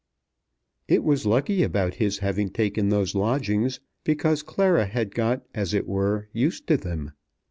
It was lucky about his having taken those lodgings, because Clara had got as it were used to them.